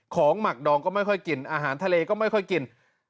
หมักดองก็ไม่ค่อยกินอาหารทะเลก็ไม่ค่อยกิน